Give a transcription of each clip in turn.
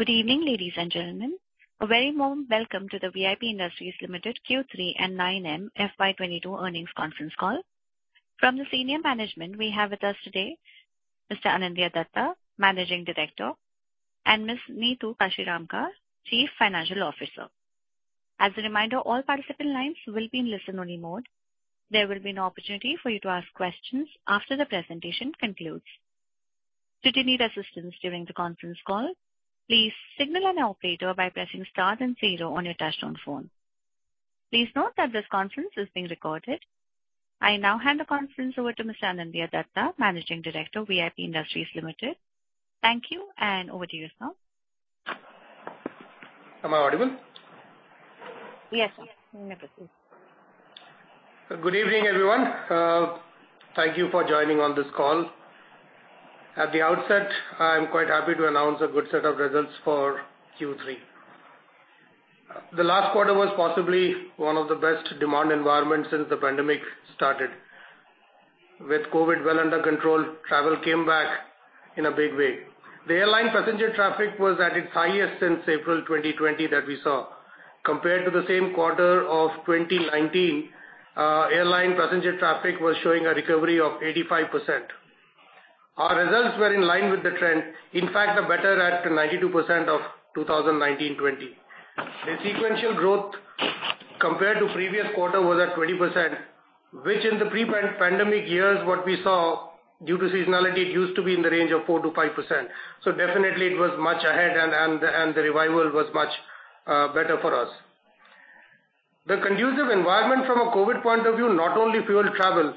Good evening, ladies and gentlemen. A very warm welcome to the VIP Industries Limited Q3 and 9M FY 2022 earnings conference call. From the senior management, we have with us today Mr. Anindya Dutta, Managing Director, and Ms. Neetu Kashiramka, Chief Financial Officer. As a reminder, all participant lines will be in listen-only mode. There will be an opportunity for you to ask questions after the presentation concludes. Should you need assistance during the conference call, please signal an operator by pressing Star and Zero on your touchtone phone. Please note that this conference is being recorded. I now hand the conference over to Mr. Anindya Dutta, Managing Director, VIP Industries Limited. Thank you, and over to you, sir. Am I audible? Yes, sir. Good evening, everyone. Thank you for joining on this call. At the outset, I'm quite happy to announce a good set of results for Q3. The last quarter was possibly one of the best demand environments since the pandemic started. With COVID well under control, travel came back in a big way. The airline passenger traffic was at its highest since April 2020 that we saw. Compared to the same quarter of 2019, airline passenger traffic was showing a recovery of 85%. Our results were in line with the trend, in fact, the better at 92% of 2019/2020. The sequential growth compared to previous quarter was at 20%, which in the pre-pan-pandemic years, what we saw, due to seasonality, it used to be in the range of 4%-5%. So definitely it was much ahead, and the revival was much better for us. The conducive environment from a COVID point of view not only fueled travel,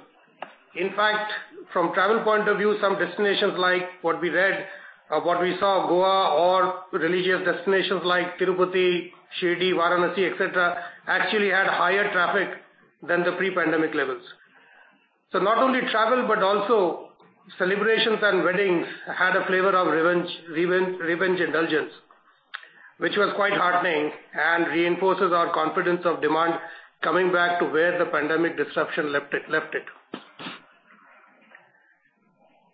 in fact, from a travel point of view, some destinations like what we read or what we saw, Goa or religious destinations like Tirupati, Shirdi, Varanasi, et cetera, actually had higher traffic than the pre-pandemic levels. So not only travel but also celebrations and weddings had a flavor of revenge indulgence, which was quite heartening and reinforces our confidence of demand coming back to where the pandemic disruption left it.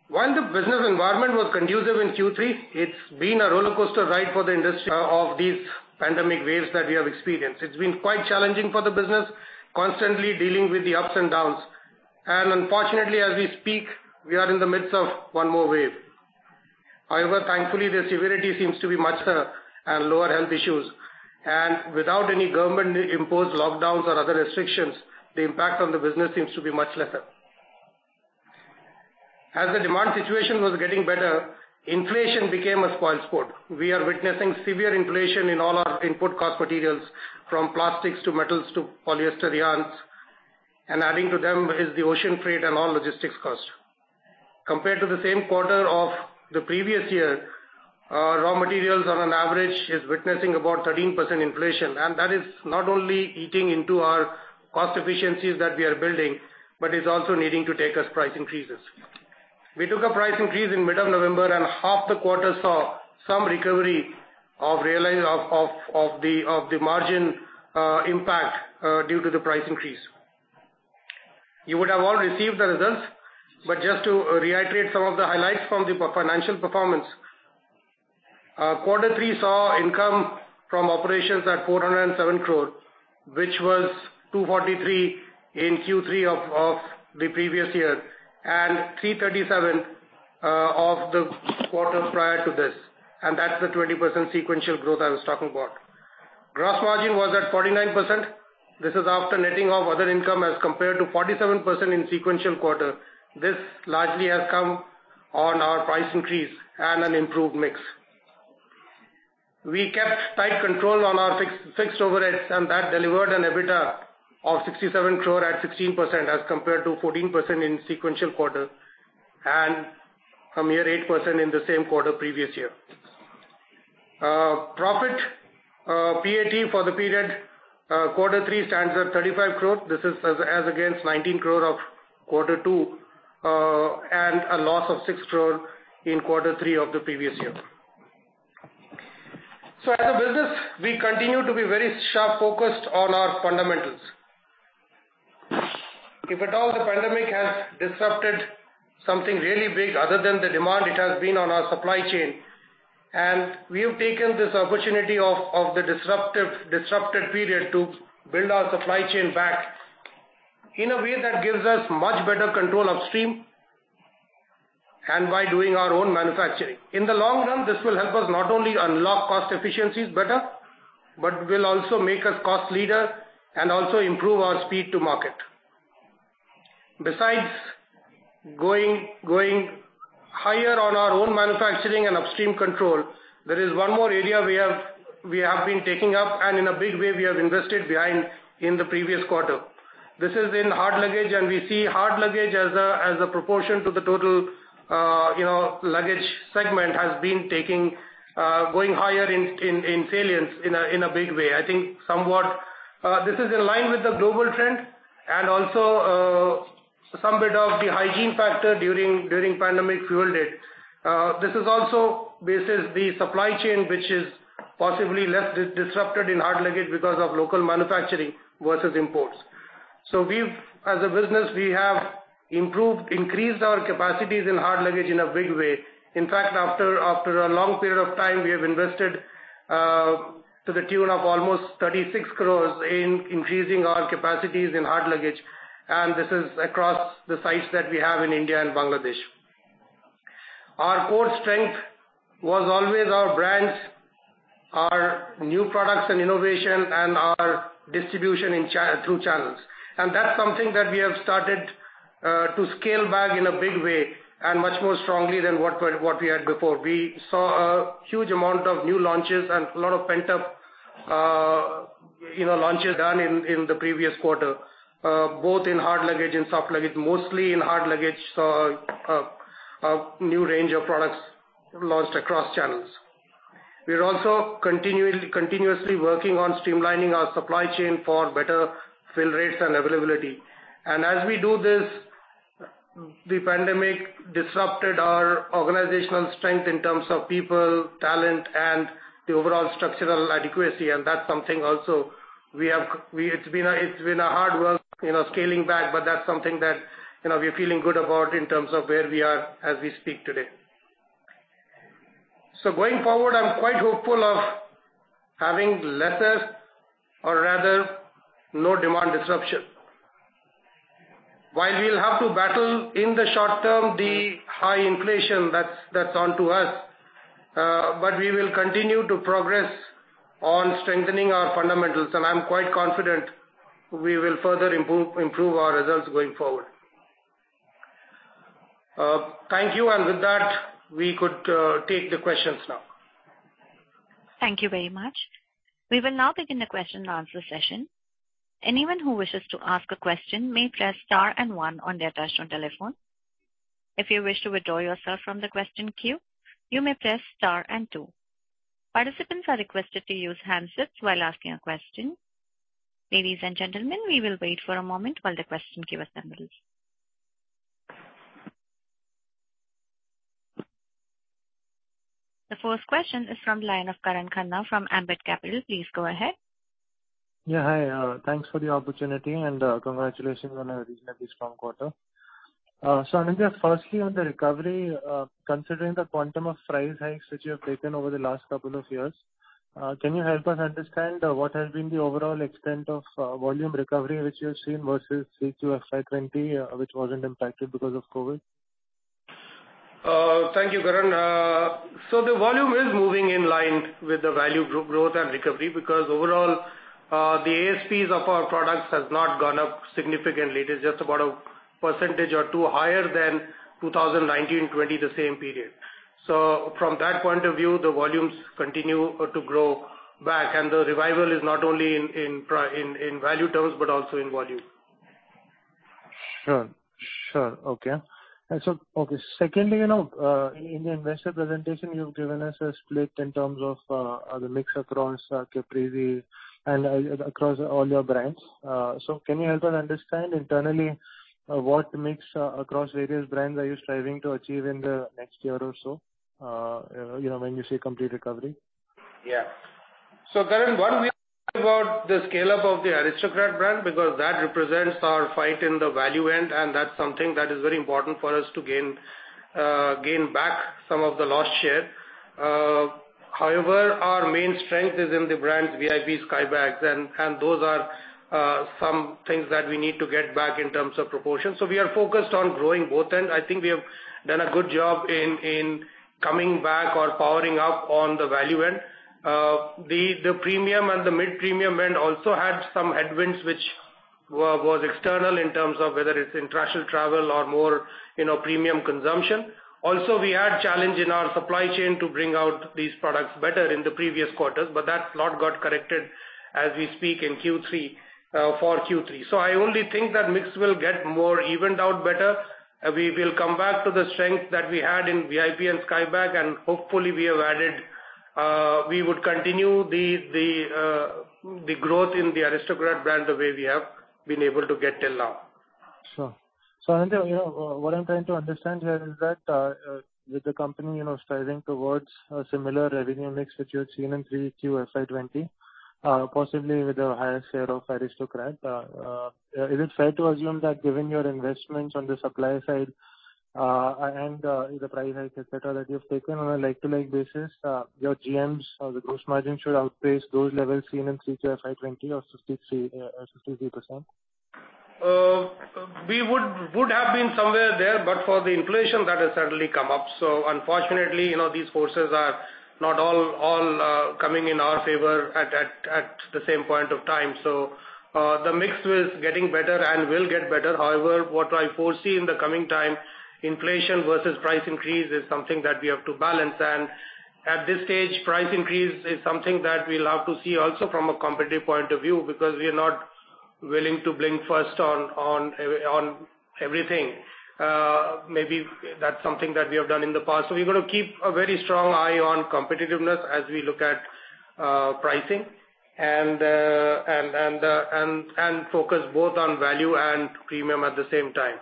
While the business environment was conducive in Q3, it's been a rollercoaster ride for the industry of these pandemic waves that we have experienced. It's been quite challenging for the business, constantly dealing with the ups and downs, and unfortunately, as we speak, we are in the midst of one more wave. However, thankfully, the severity seems to be much and lower health issues, and without any government-imposed lockdowns or other restrictions, the impact on the business seems to be much lesser. As the demand situation was getting better, inflation became a spoilsport. We are witnessing severe inflation in all our input cost materials, from plastics to metals to polyester yarns, and adding to them is the ocean freight and all logistics costs. Compared to the same quarter of the previous year, raw materials on an average is witnessing about 13% inflation, and that is not only eating into our cost efficiencies that we are building, but is also needing to take us price increases. We took a price increase in mid-November, and half the quarter saw some recovery of realization of the margin impact due to the price increase. You would have all received the results, but just to reiterate some of the highlights from the financial performance. Quarter three saw income from operations at 407 crore, which was 243 in Q3 of the previous year, and 337 of the quarter prior to this, and that's the 20% sequential growth I was talking about. Gross margin was at 49%. This is after netting off other income as compared to 47% in sequential quarter. This largely has come on our price increase and an improved mix. We kept tight control on our fixed overheads, and that delivered an EBITDA of 67 crore at 16%, as compared to 14% in sequential quarter, and from here, 8% in the same quarter previous year. Profit, PAT for the period, quarter three stands at 35 crore. This is as against 19 crore of quarter two, and a loss of 6 crore in quarter three of the previous year. So as a business, we continue to be very sharp focused on our fundamentals. If at all, the pandemic has disrupted something really big other than the demand, it has been on our supply chain, and we have taken this opportunity of the disruptive, disrupted period to build our supply chain back in a way that gives us much better control upstream and by doing our own manufacturing. In the long run, this will help us not only unlock cost efficiencies better, but will also make us cost leader and also improve our speed to market. Besides going higher on our own manufacturing and upstream control, there is one more area we have been taking up, and in a big way we have invested behind in the previous quarter. This is in hard luggage, and we see hard luggage as a proportion to the total, you know, luggage segment has been taking going higher in salience in a big way. I think somewhat, this is in line with the global trend and also, some bit of the hygiene factor during pandemic fueled it. This is also the supply chain, which is... Possibly less disrupted in hard luggage because of local manufacturing versus imports. So we've, as a business, we have improved, increased our capacities in hard luggage in a big way. In fact, after, after a long period of time, we have invested to the tune of almost 36 crore in increasing our capacities in hard luggage, and this is across the sites that we have in India and Bangladesh. Our core strength was always our brands, our new products and innovation, and our distribution through channels. And that's something that we have started to scale back in a big way and much more strongly than what we, what we had before. We saw a huge amount of new launches and a lot of pent-up, you know, launches done in the previous quarter, both in hard luggage and soft luggage. Mostly in hard luggage, saw a new range of products launched across channels. We are also continually, continuously working on streamlining our supply chain for better fill rates and availability. As we do this, the pandemic disrupted our organizational strength in terms of people, talent, and the overall structural adequacy, and that's something also we have it's been a hard work, you know, scaling back, but that's something that, you know, we're feeling good about in terms of where we are as we speak today. So going forward, I'm quite hopeful of having lesser or rather no demand disruption. While we'll have to battle in the short term, the high inflation, that's onto us, but we will continue to progress on strengthening our fundamentals. I'm quite confident we will further improve our results going forward. Thank you, and with that, we could take the questions now. Thank you very much. We will now begin the question and answer session. Anyone who wishes to ask a question may press star and one on their touchtone telephone. If you wish to withdraw yourself from the question queue, you may press star and two. Participants are requested to use handsets while asking a question. Ladies and gentlemen, we will wait for a moment while the question queue assembles. The first question is from the line of Karan Khanna from Ambit Capital. Please go ahead. Yeah, hi. Thanks for the opportunity, and, congratulations on a reasonably strong quarter. So Anindya, firstly, on the recovery, considering the quantum of price hikes which you have taken over the last couple of years, can you help us understand, what has been the overall extent of, volume recovery which you've seen versus Q2 FY 2020, which wasn't impacted because of COVID? Thank you, Karan. So the volume is moving in line with the value growth and recovery because overall, the ASPs of our products has not gone up significantly. It is just about 1% or 2% higher than 2019/2020, the same period. So from that point of view, the volumes continue to grow back, and the revival is not only in value terms, but also in volume. Sure. Sure. Okay. And so, okay, secondly, you know, in the investor presentation, you've given us a split in terms of, the mix across, Caprese and across all your brands. So can you help us understand internally, what mix across various brands are you striving to achieve in the next year or so, you know, when you see complete recovery? Yeah. So Karan, one, we are about the scale-up of the Aristocrat brand, because that represents our fight in the value end, and that's something that is very important for us to gain back some of the lost share. However, our main strength is in the brands VIP, Skybags, and those are some things that we need to get back in terms of proportion. So we are focused on growing both, and I think we have done a good job in coming back or powering up on the value end. The premium and the mid-premium end also had some headwinds which was external in terms of whether it's international travel or more, you know, premium consumption. Also, we had challenge in our supply chain to bring out these products better in the previous quarters, but that lot got corrected as we speak in Q3, for Q3. So I only think that mix will get more evened out better. We will come back to the strength that we had in VIP and Skybags, and hopefully, we have added, we would continue the, the, the growth in the Aristocrat brand, the way we have been able to get till now. Sure. So Anindya, you know, what I'm trying to understand here is that, with the company, you know, striving towards a similar revenue mix that you have seen in Q3 FY 2020, possibly with a higher share of Aristocrat, is it fair to assume that given your investments on the supply side, and, the price hike, et cetera, that you have taken on a like-to-like basis, your GMs or the gross margin should outpace those levels seen in Q3 FY 2020 or 63%, 63%? We would have been somewhere there, but for the inflation that has certainly come up. So unfortunately, you know, these forces are not all coming in our favor at the same point of time. So, the mix is getting better and will get better. However, what I foresee in the coming time, inflation versus price increase is something that we have to balance. And at this stage, price increase is something that we'll have to see also from a competitive point of view, because we are not willing to blink first on everything. Maybe that's something that we have done in the past. So we're going to keep a very strong eye on competitiveness as we look at pricing, and focus both on value and premium at the same time.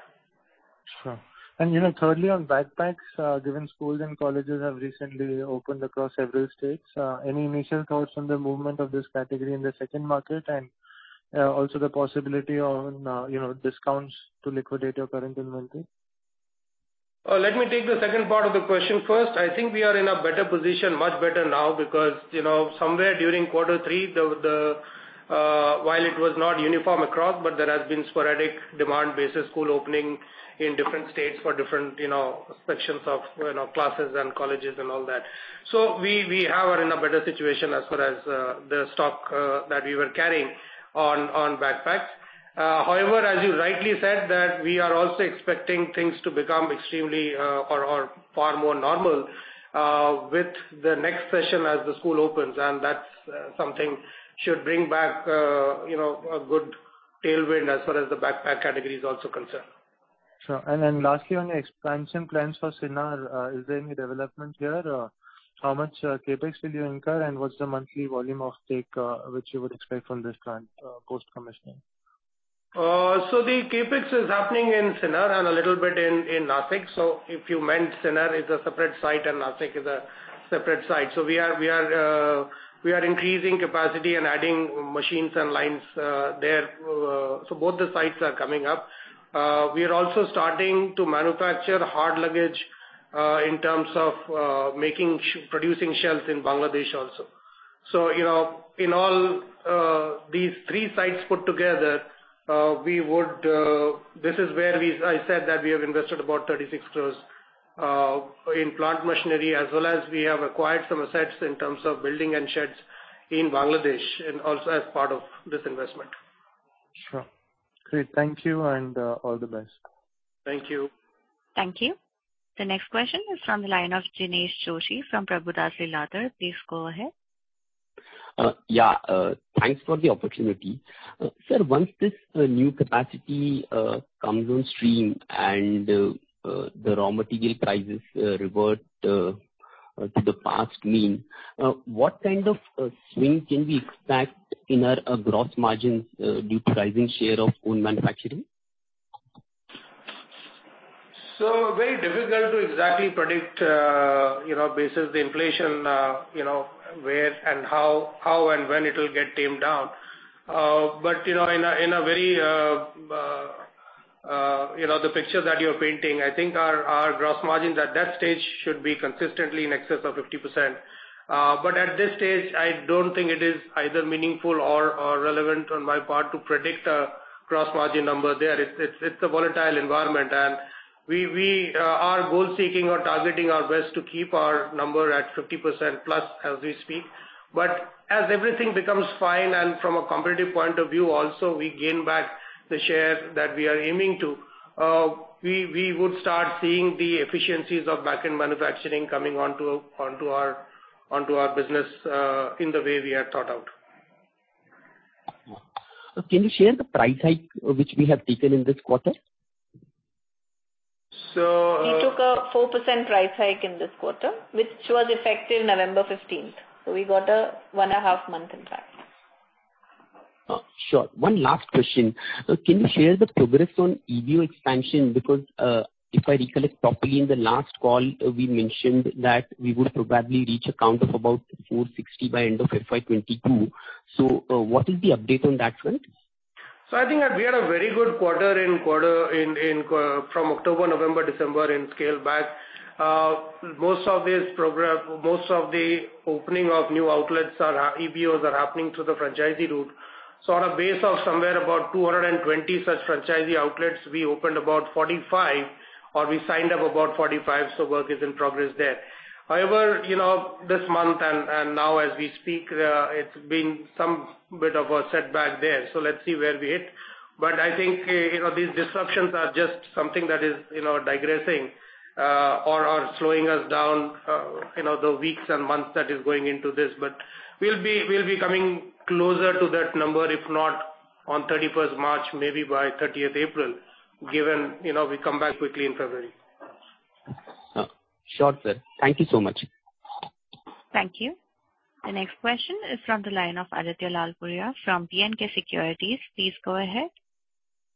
Sure. And, you know, thirdly, on backpacks, given schools and colleges have recently opened across several states, any initial thoughts on the movement of this category in the second market, and, also the possibility on, you know, discounts to liquidate your current inventory? Let me take the second part of the question first. I think we are in a better position, much better now, because, you know, somewhere during quarter three, while it was not uniform across, but there has been sporadic demand basis school opening in different states for different, you know, sections of, you know, classes and colleges and all that. So we are in a better situation as far as the stock that we were carrying on backpacks. However, as you rightly said, that we are also expecting things to become extremely or far more normal with the next session as the school opens, and that's something should bring back, you know, a good tailwind as far as the backpack category is also concerned. Sure. And then lastly, on your expansion plans for Sinnar, is there any development there? How much CapEx will you incur, and what's the monthly volume offtake, which you would expect from this plant, post-commissioning? So the CapEx is happening in Sinnar and a little bit in Nashik. So if you meant Sinnar is a separate site and Nashik is a separate site. So we are increasing capacity and adding machines and lines there. So both the sites are coming up. We are also starting to manufacture hard luggage in terms of producing shells in Bangladesh also. So, you know, in all, these three sites put together, we would... This is where we, I said that we have invested about 36 crore in plant machinery, as well as we have acquired some assets in terms of building and sheds in Bangladesh, and also as part of this investment. Sure. Great, thank you, and all the best. Thank you. Thank you. The next question is from the line of Jinesh Joshi from Prabhudas Lilladher. Please go ahead. Yeah, thanks for the opportunity. Sir, once this new capacity comes on stream and the raw material prices revert to the past mean, what kind of swing can we expect in our gross margins due to rising share of own manufacturing? So very difficult to exactly predict, you know, basis the inflation, you know, where and how, how and when it will get tamed down. But you know, in a very, you know, the picture that you're painting, I think our gross margins at that stage should be consistently in excess of 50%. But at this stage, I don't think it is either meaningful or relevant on my part to predict a gross margin number there. It's a volatile environment, and we are goal-seeking or targeting our best to keep our number at 50%+ as we speak. As everything becomes fine, and from a competitive point of view, also, we gain back the share that we are aiming to, we would start seeing the efficiencies of backend manufacturing coming onto our business, in the way we had thought out. Can you share the price hike which we have taken in this quarter? So, uh- We took a 4% price hike in this quarter, which was effective November fifteenth. So we got a one and a half month in price. Sure. One last question: Can you share the progress on EBO expansion? Because, if I recollect properly, in the last call, we mentioned that we would probably reach a count of about 460 by end of FY 2022. So, what is the update on that front? So I think that we had a very good quarter. From October, November, December in scale back. Most of this progress, most of the opening of new outlets are EBOs are happening through the franchisee route. So on a base of somewhere about 220 such franchisee outlets, we opened about 45, or we signed up about 45, so work is in progress there. However, you know, this month and now as we speak, it's been some bit of a setback there, so let's see where we hit. But I think, you know, these disruptions are just something that is, you know, digressing, or slowing us down, you know, the weeks and months that is going into this. We'll be coming closer to that number, if not on 31st March, maybe by 30th April, given, you know, we come back quickly in February. Sure, sir. Thank you so much. Thank you. The next question is from the line of Aditya Lalpuria from B&K Securities. Please go ahead.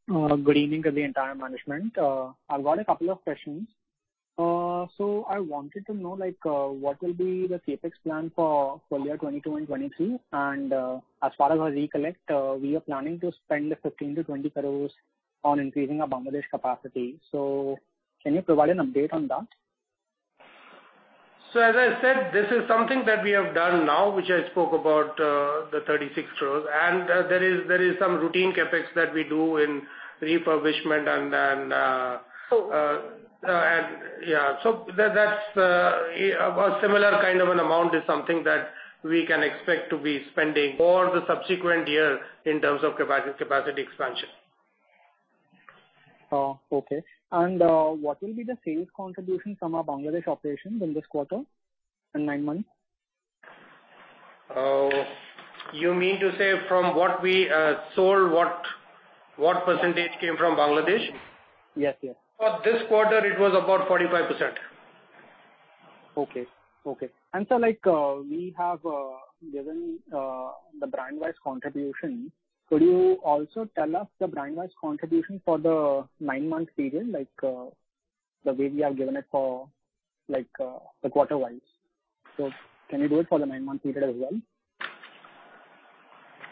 Good evening to the entire management. I've got a couple of questions. So I wanted to know, like, what will be the CapEx plan for full year 2022 and 2023? And, as far as I recollect, we are planning to spend 15-20 crores on increasing our Bangladesh capacity. So can you provide an update on that? So as I said, this is something that we have done now, which I spoke about, 36 crore. And, there is some routine CapEx that we do in refurbishment and then, Sure. Yeah, so that, that's a similar kind of an amount is something that we can expect to be spending for the subsequent year in terms of capacity expansion. Okay. What will be the sales contribution from our Bangladesh operations in this quarter and nine months? You mean to say from what we sold, what, what percentage came from Bangladesh? Yes, yes. For this quarter, it was about 45%.... Okay, okay. And so like, we have given the brand-wise contribution. Could you also tell us the brand-wise contribution for the nine-month period, like the way we have given it for the quarter-wise? So can you do it for the nine-month period as well?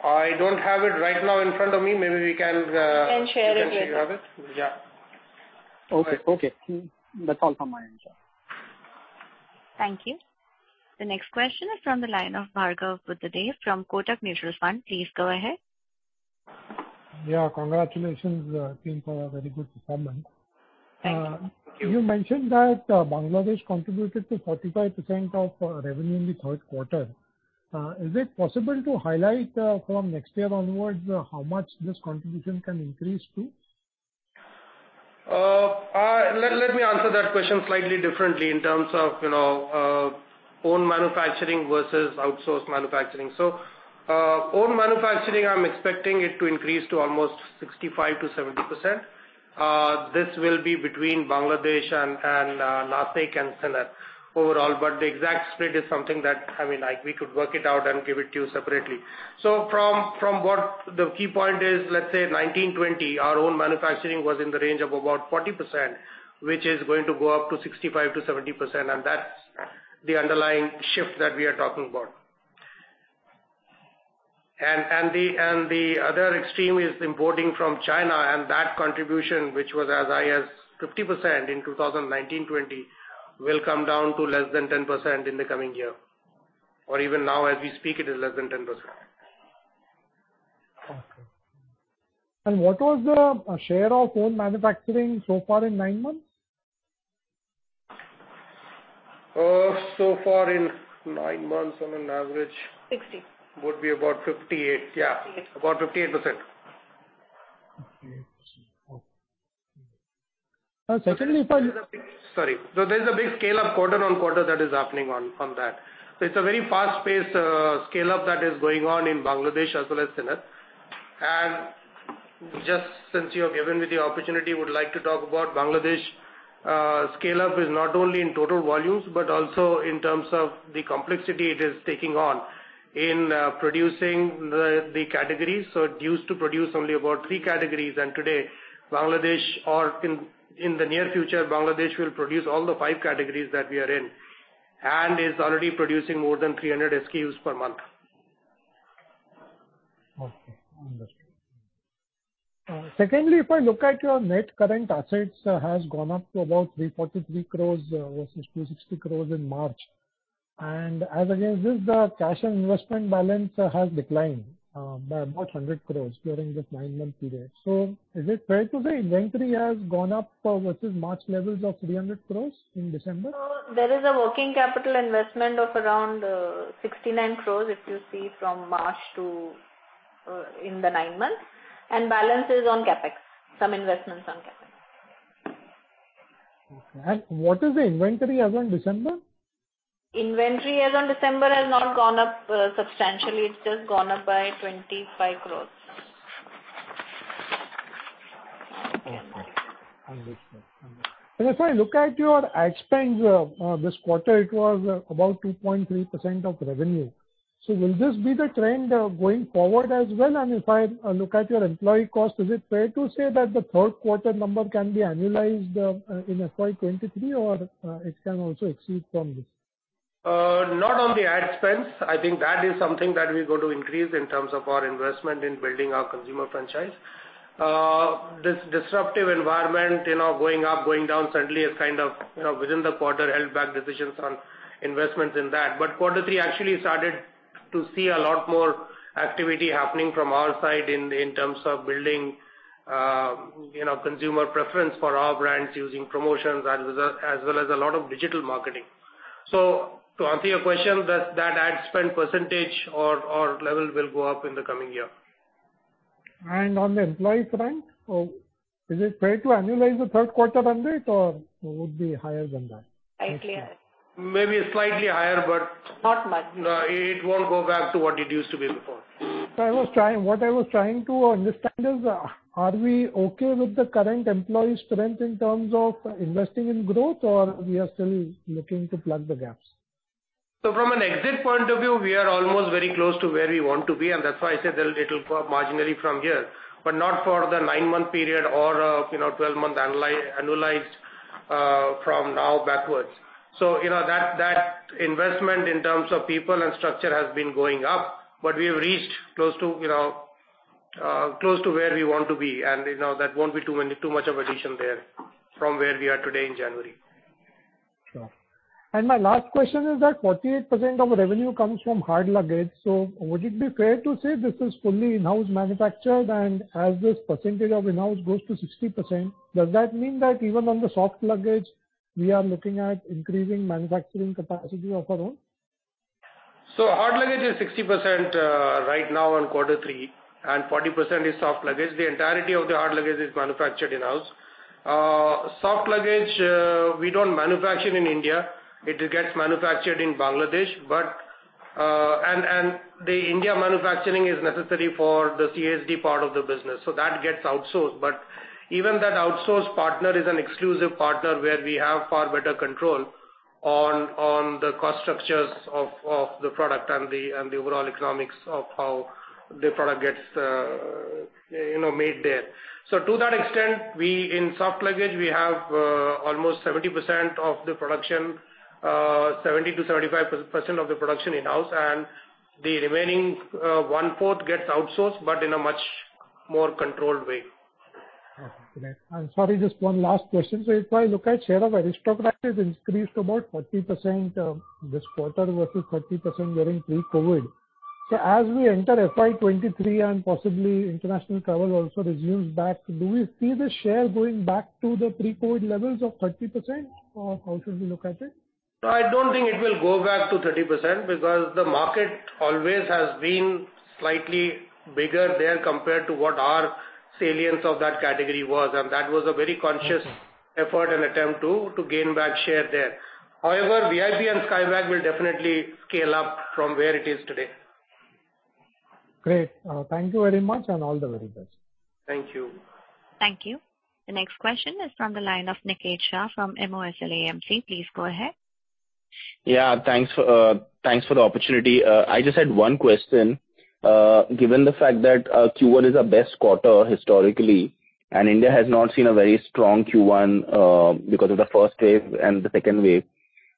I don't have it right now in front of me. Maybe we can, Can share it later. We can share it. Yeah. Okay, okay. That's all from my end, sir. Thank you. The next question is from the line of Bhargav Buddhadev from Kotak Mutual Fund. Please go ahead. Yeah, congratulations, team, for a very good performance. Thank you. You mentioned that Bangladesh contributed to 45% of revenue in the third quarter. Is it possible to highlight from next year onwards how much this contribution can increase to? Let me answer that question slightly differently in terms of, you know, own manufacturing versus outsourced manufacturing. So, own manufacturing, I'm expecting it to increase to almost 65%-70%. This will be between Bangladesh and Nashik and Sinnar overall. The exact split is something that. Like, we could work it out and give it to you separately. So from what the key point is, let's say 2019-2020, our own manufacturing was in the range of about 40%, which is going to go up to 65%-70%, and that's the underlying shift that we are talking about. And the other extreme is importing from China, and that contribution, which was as high as 50% in 2019/2020, will come down to less than 10% in the coming year, or even now as we speak, it is less than 10%. Okay. And what was the share of own manufacturing so far in nine months? So far in nine months, on an average- Sixty. Would be about 58. Yeah. Fifty-eight. About 58%. Okay, 58, okay. Secondly, but- Sorry. So there's a big scale of quarter on quarter that is happening on, on that. It's a very fast-paced, scale-up that is going on in Bangladesh as well as Sinnar. And just since you have given me the opportunity, I would like to talk about Bangladesh. Scale-up is not only in total volumes, but also in terms of the complexity it is taking on in, producing the categories. So it used to produce only about three categories, and today, Bangladesh, or in the near future, Bangladesh will produce all the five categories that we are in, and is already producing more than 300 SKUs per month. Okay, understood. Secondly, if I look at your net current assets, has gone up to about 343 crore, versus 260 crore in March. And as against this, the cash and investment balance, has declined, by about 100 crore during this nine-month period. So is it fair to say inventory has gone up, versus March levels of 300 crore in December? There is a working capital investment of around 69 crores, if you see from March to in the nine months, and balance is on CapEx, some investments on CapEx. What is the inventory as on December? Inventory as on December has not gone up substantially. It's just gone up by 25 crore. Okay. Understand. And if I look at your ad spends, this quarter, it was about 2.3% of revenue. So will this be the trend going forward as well? And if I look at your employee cost, is it fair to say that the third quarter number can be annualized in FY 2023, or it can also exceed from this? Not on the ad spends. I think that is something that we go to increase in terms of our investment in building our consumer franchise. This disruptive environment, you know, going up, going down, certainly is kind of, you know, within the quarter, held back decisions on investments in that. But quarter three actually started to see a lot more activity happening from our side in terms of building, you know, consumer preference for our brands using promotions as a... as well as a lot of digital marketing. So to answer your question, that, that ad spend percentage or, or level will go up in the coming year. On the employee front, is it fair to annualize the third quarter number, or would be higher than that? Slightly higher. Maybe slightly higher, but- Not much. It won't go back to what it used to be before. So I was trying... What I was trying to understand is, are we okay with the current employee strength in terms of investing in growth, or we are still looking to plug the gaps? So from an exit point of view, we are almost very close to where we want to be, and that's why I said it'll go up marginally from here. But not for the nine-month period or, you know, twelve-month annualized from now backwards. So, you know, that investment in terms of people and structure has been going up, but we have reached close to, you know, close to where we want to be. And, you know, that won't be too many, too much of addition there from where we are today in January. Sure. And my last question is that 48% of revenue comes from hard luggage, so would it be fair to say this is fully in-house manufactured? And as this percentage of in-house goes to 60%, does that mean that even on the soft luggage, we are looking at increasing manufacturing capacity of our own? Hard luggage is 60%, right now in quarter 3, and 40% is soft luggage. The entirety of the hard luggage is manufactured in-house. Soft luggage, we don't manufacture in India. It gets manufactured in Bangladesh, but the India manufacturing is necessary for the CSD part of the business, so that gets outsourced. But even that outsource partner is an exclusive partner, where we have far better control on the cost structures of the product and the overall economics of how the product gets, you know, made there. To that extent, in soft luggage, we have almost 70% of the production, 70%-75% of the production in-house, and the remaining one-fourth gets outsourced, but in a much more controlled way. Okay. Sorry, just one last question. So if I look at share of Aristocrat has increased about 30%, this quarter versus 30% during pre-COVID. So as we enter FY 2023 and possibly international travel also resumes back, do we see the share going back to the pre-COVID levels of 30%, or how should we look at it? No, I don't think it will go back to 30% because the market always has been slightly bigger there compared to what our salience of that category was. And that was a very conscious effort- Mm-hmm. and attempt to gain back share there. However, VIP and Skybags will definitely scale up from where it is today. Great. Thank you very much, and all the very best. Thank you. Thank you. The next question is from the line of Niket Shah from MOSL AMC. Please go ahead. Yeah, thanks, thanks for the opportunity. I just had one question. Given the fact that Q1 is our best quarter historically, and India has not seen a very strong Q1 because of the first wave and the second wave,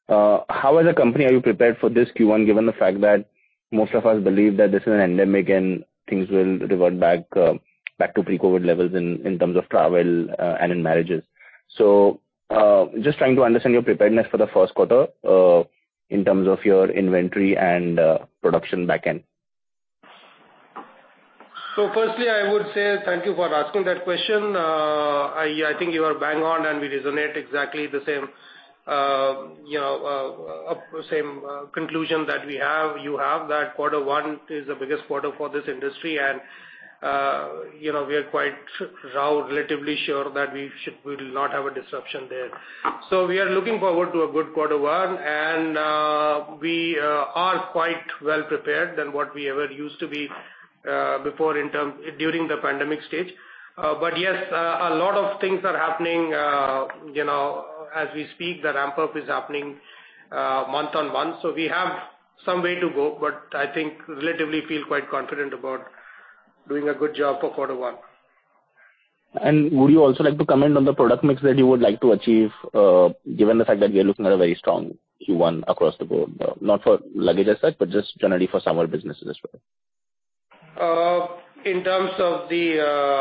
how as a company are you prepared for this Q1, given the fact that most of us believe that this is an endemic and things will revert back back to pre-COVID levels in terms of travel and in marriages? So, just trying to understand your preparedness for the first quarter in terms of your inventory and production back end. So firstly, I would say thank you for asking that question. I think you are bang on, and we resonate exactly the same, you know, same conclusion that we have—you have, that quarter one is the biggest quarter for this industry. You know, we are quite relatively sure that we should, we will not have a disruption there. So we are looking forward to a good quarter one, and we are quite well prepared than what we ever used to be, before during the pandemic stage. But yes, a lot of things are happening, you know, as we speak, the ramp-up is happening, month-on-month, so we have some way to go, but I think relatively feel quite confident about doing a good job for quarter one. Would you also like to comment on the product mix that you would like to achieve, given the fact that we are looking at a very strong Q1 across the board? Not for luggage as such, but just generally for summer businesses as well. In terms of the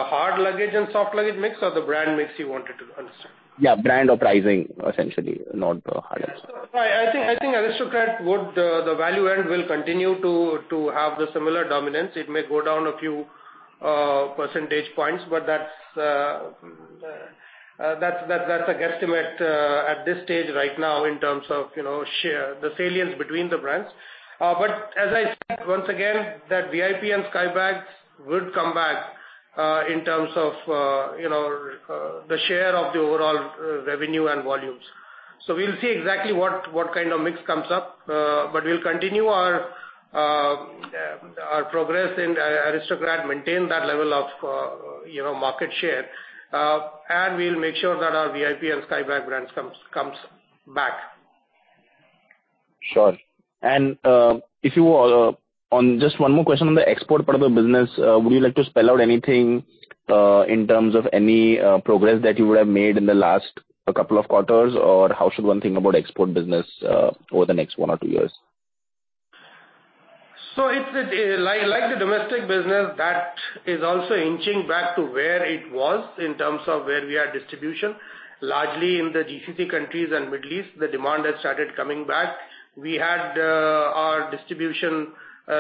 hard luggage and soft luggage mix, or the brand mix you wanted to understand? Yeah, brand or pricing, essentially, not hard goods. I think Aristocrat would, the value add will continue to have the similar dominance. It may go down a few percentage points, but that's a guesstimate at this stage right now, in terms of, you know, share, the salience between the brands. But as I said, once again, that VIP and Skybags would come back in terms of, you know, the share of the overall revenue and volumes. So we'll see exactly what kind of mix comes up, but we'll continue our progress in Aristocrat, maintain that level of, you know, market share. And we'll make sure that our VIP and Skybags brands comes back. Sure. And, if you, on just one more question on the export part of the business, would you like to spell out anything, in terms of any, progress that you would have made in the last couple of quarters? Or how should one think about export business, over the next one or two years? So it's, like, like the domestic business, that is also inching back to where it was in terms of where we had distribution. Largely in the GCC countries and Middle East, the demand has started coming back. We had, our distribution,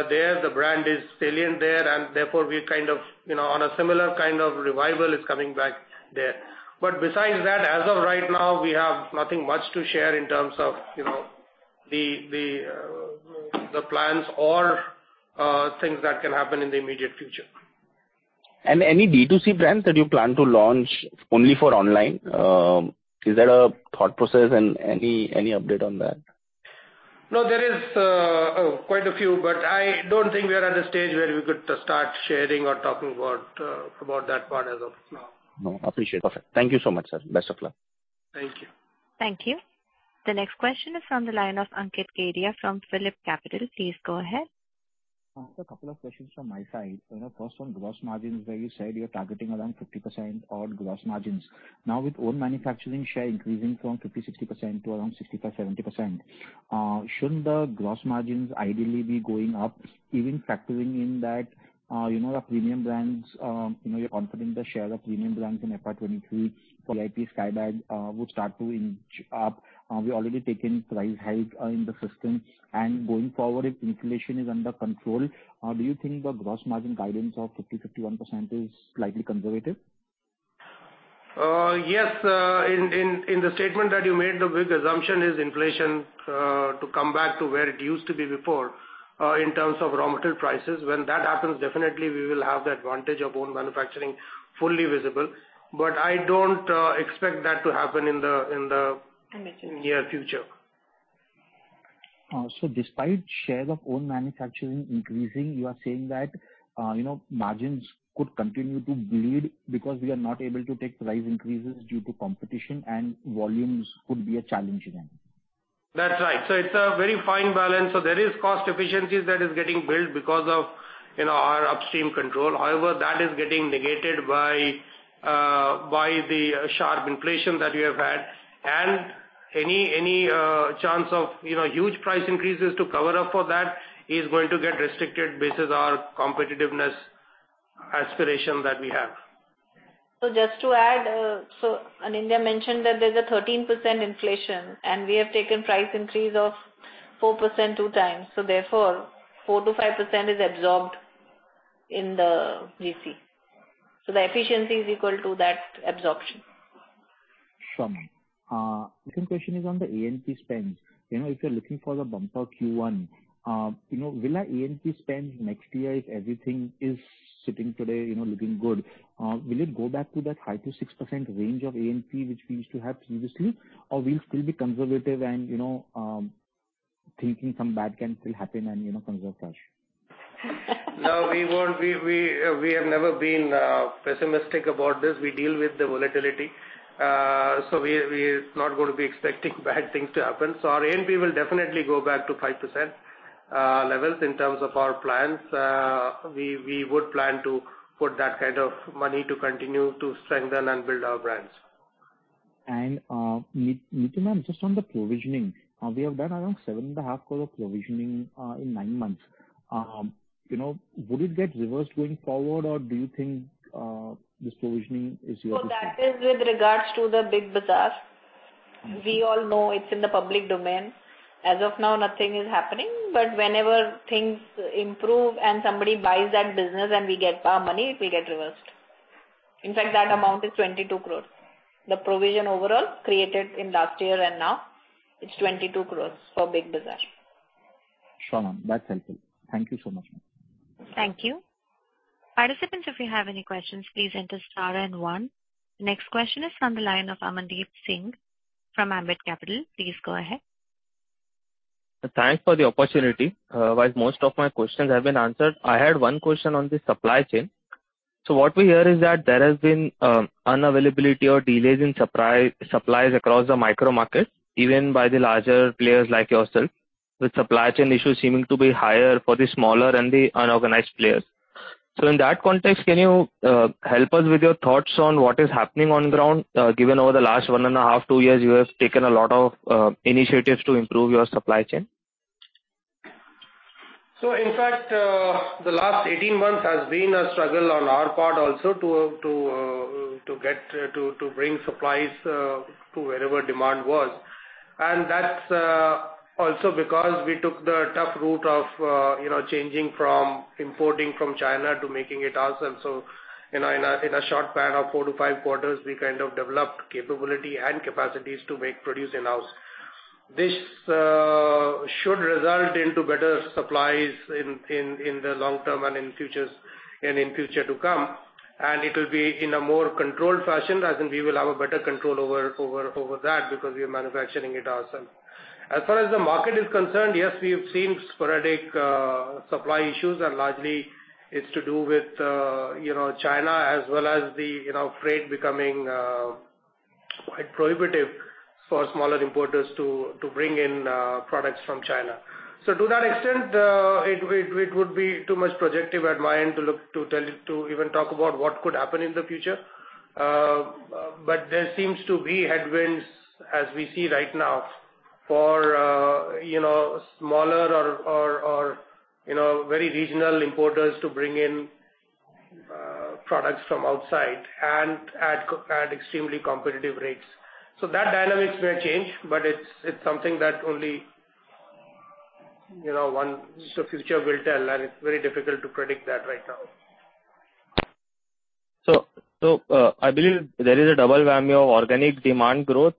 there, the brand is salient there, and therefore we kind of, you know, on a similar kind of revival is coming back there. But besides that, as of right now, we have nothing much to share in terms of, you know, the plans or, things that can happen in the immediate future. Any B2C brands that you plan to launch only for online? Is that a thought process and any, any update on that? No, there is quite a few, but I don't think we are at a stage where we could start sharing or talking about that part as of now. No. Appreciate. Perfect. Thank you so much, sir. Best of luck. Thank you. Thank you. The next question is from the line of Ankit Kedia from Phillip Capital. Please go ahead. Just a couple of questions from my side. You know, first on gross margins, where you said you're targeting around 50% on gross margins. Now, with own manufacturing share increasing from 50-60% to around 65-70%, shouldn't the gross margins ideally be going up, even factoring in that, you know, the premium brands, you know, you're confident the share of premium brands in FY 2023, so VIP, Skybags, would start to inch up? We've already taken price hike in the system. And going forward, if inflation is under control, do you think the gross margin guidance of 50-51% is slightly conservative? Yes, in the statement that you made, the big assumption is inflation to come back to where it used to be before, in terms of raw material prices. When that happens, definitely we will have the advantage of own manufacturing fully visible. But I don't expect that to happen in the, in the- In the near future.... near future.... So despite shares of own manufacturing increasing, you are saying that, you know, margins could continue to bleed because we are not able to take price increases due to competition, and volumes could be a challenge again? That's right. It's a very fine balance. There is cost efficiencies that is getting built because of, you know, our upstream control. However, that is getting negated by, by the sharp inflation that we have had. And any, any, chance of, you know, huge price increases to cover up for that is going to get restricted basis our competitiveness aspiration that we have. So just to add, so, and India mentioned that there's a 13% inflation, and we have taken price increase of 4% two times, so therefore 4%-5% is absorbed in the GC. So the efficiency is equal to that absorption. Sure, ma'am. Second question is on the A&P spend. You know, if you're looking for the bumper Q1, you know, will our A&P spend next year, if everything is sitting today, you know, looking good, will it go back to that 5%-6% range of A&P, which we used to have previously? Or we'll still be conservative and, you know, thinking some bad can still happen and, you know, conserve cash? No, we won't. We have never been pessimistic about this. We deal with the volatility. So we're not going to be expecting bad things to happen. So our A&P will definitely go back to 5% levels in terms of our plans. We would plan to put that kind of money to continue to strengthen and build our brands. Neetu ma'am, just on the provisioning, we have done around 7.5 crore provisioning in nine months. You know, would it get reversed going forward, or do you think this provisioning is your- That is with regards to the Big Bazaar. Mm-hmm. We all know it's in the public domain. As of now, nothing is happening, but whenever things improve and somebody buys that business and we get our money, we get reversed. In fact, that amount is 22 crore. The provision overall created in last year and now, it's 22 crore for Big Bazaar. Sure, ma'am, that's helpful. Thank you so much, ma'am. Thank you. Participants, if you have any questions, please enter star and one. The next question is from the line of Amandeep Singh from Ambit Capital. Please go ahead. Thanks for the opportunity. While most of my questions have been answered, I had one question on the supply chain. So what we hear is that there has been unavailability or delays in supply, supplies across the micro market, even by the larger players like yourself, with supply chain issues seeming to be higher for the smaller and the unorganized players. So in that context, can you help us with your thoughts on what is happening on the ground, given over the last 1.5-2 years, you have taken a lot of initiatives to improve your supply chain? So in fact, the last 18 months has been a struggle on our part also to get to bring supplies to wherever demand was. And that's also because we took the tough route of you know changing from importing from China to making it ourselves. So you know in a short span of 4-5 quarters, we kind of developed capability and capacities to make produce in-house. This should result into better supplies in the long term and in futures, and in future to come. And it will be in a more controlled fashion, as in we will have a better control over that because we are manufacturing it ourselves. As far as the market is concerned, yes, we have seen sporadic supply issues, and largely it's to do with you know China as well as the you know freight becoming quite prohibitive for smaller importers to bring in products from China. So to that extent, it would be too much projective at my end to look to tell to even talk about what could happen in the future. But there seems to be headwinds as we see right now for you know smaller or very regional importers to bring in products from outside and at extremely competitive rates. So that dynamics may change, but it's something that only you know future will tell, and it's very difficult to predict that right now. I believe there is a double whammy of organic demand growth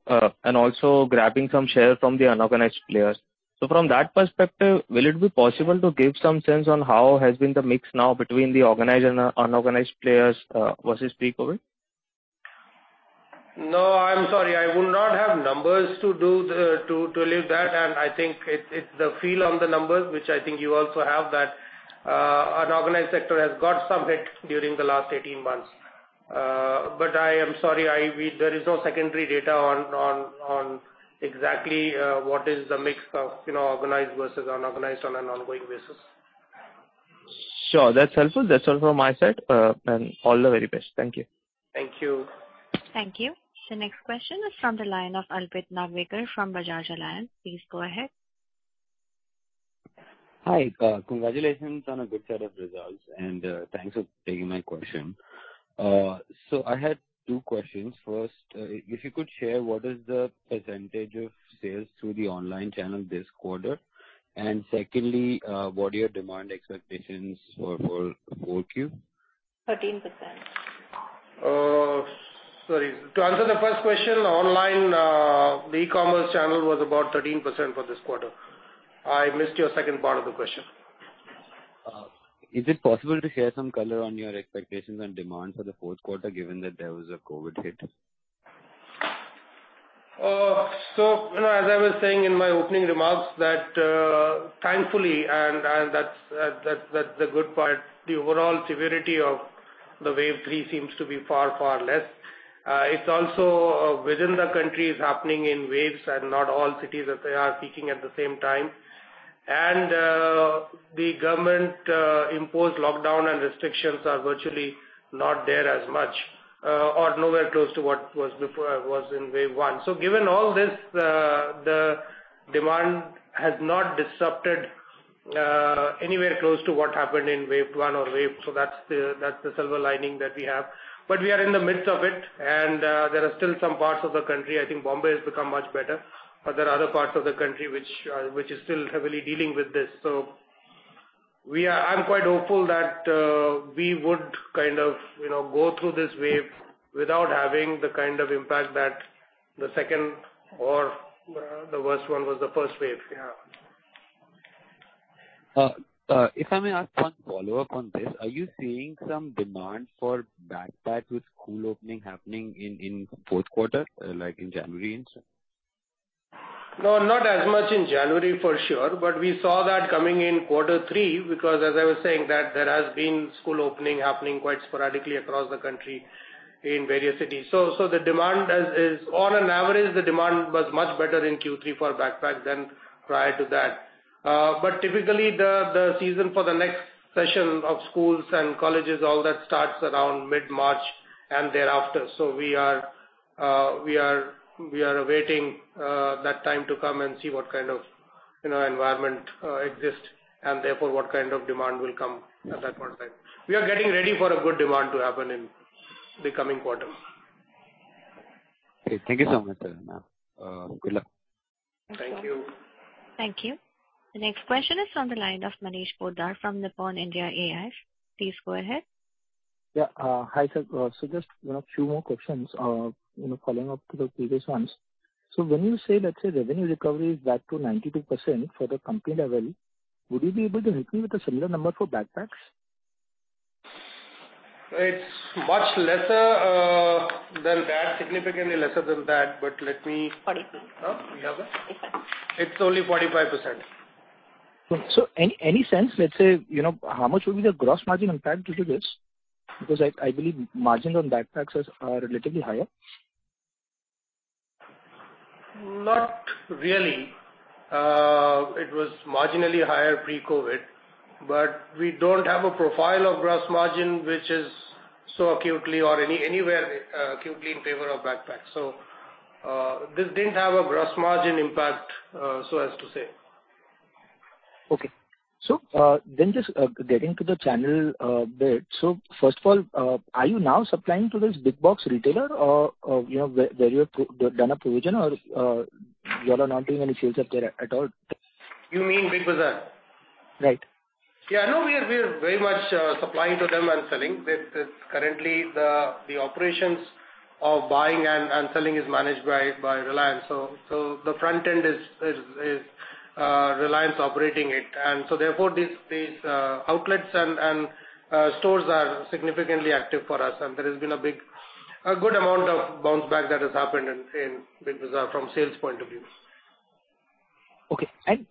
and also grabbing some share from the unorganized players. So from that perspective, will it be possible to give some sense on how has been the mix now between the organized and unorganized players versus pre-COVID? No, I'm sorry. I would not have numbers to do the to leave that, and I think it's the feel on the numbers, which I think you also have, that unorganized sector has got some hit during the last 18 months. But I am sorry, I, we, there is no secondary data on exactly what is the mix of, you know, organized versus unorganized on an ongoing basis. Sure, that's helpful. That's all from my side, and all the very best. Thank you. Thank you. Thank you. The next question is from the line of Arpit Narvekar from Bajaj Allianz. Please go ahead. Hi, congratulations on a good set of results, and, thanks for taking my question. I had two questions. First, if you could share, what is the percentage of sales through the online channel this quarter? And secondly, what are your demand expectations for 4Q? 13%. Sorry. To answer the first question, online, the e-commerce channel was about 13% for this quarter. I missed your second part of the question. Is it possible to share some color on your expectations and demand for the fourth quarter, given that there was a COVID hit? ...so, you know, as I was saying in my opening remarks, that, thankfully, and that's the good part, the overall severity of the wave three seems to be far, far less. It's also within the country is happening in waves, and not all cities that they are peaking at the same time. And the government imposed lockdown and restrictions are virtually not there as much, or nowhere close to what was before it was in wave one. So given all this, the demand has not disrupted, anywhere close to what happened in wave one or wave... So that's the silver lining that we have. But we are in the midst of it, and, there are still some parts of the country, I think Mumbai has become much better, but there are other parts of the country which are, which is still heavily dealing with this. So we are. I'm quite hopeful that, we would kind of, you know, go through this wave without having the kind of impact that the second or the worst one was the first wave. Yeah. If I may ask one follow-up on this, are you seeing some demand for backpacks with school opening happening in fourth quarter, like in January and so? No, not as much in January, for sure. But we saw that coming in quarter three, because as I was saying that there has been school opening happening quite sporadically across the country in various cities. So the demand is... On an average, the demand was much better in Q3 for backpacks than prior to that. But typically, the season for the next session of schools and colleges, all that starts around mid-March and thereafter. So we are awaiting that time to come and see what kind of, you know, environment exists, and therefore, what kind of demand will come at that point in time. We are getting ready for a good demand to happen in the coming quarters. Okay, thank you so much, Anindya. Good luck. Thank you. Thank you. The next question is from the line of Manish Poddar from Nippon India AIF. Please go ahead. Yeah, hi, sir. So just one, a few more questions, you know, following up to the previous ones. So when you say that the revenue recovery is back to 92% for the company level, would you be able to help me with a similar number for backpacks? It's much lesser than that, significantly lesser than that, but let me- Forty-five. Huh? You have a- Forty-five. It's only 45%. So, any sense, let's say, you know, how much would be the gross margin impact due to this? Because I believe margins on backpacks are relatively higher. Not really. It was marginally higher pre-COVID, but we don't have a profile of gross margin, which is so acutely or anywhere, acutely in favor of backpacks. So, this didn't have a gross margin impact, so as to say. Okay. So, then just getting to the channel bit. So first of all, are you now supplying to this big box retailer or, or, you know, where, where you have done a provision or, you all are not doing any sales up there at all? You mean Big Bazaar? Right. Yeah, no, we are, we are very much supplying to them and selling. With, it's currently the operations of buying and selling is managed by Reliance. So, the front end is Reliance operating it. And so therefore, these outlets and stores are significantly active for us, and there has been a big... a good amount of bounce back that has happened in Big Bazaar from sales point of view. Okay. And,